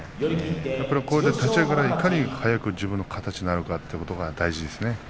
立ち合いから、いかに早く自分の形になるかというのが大事ですね。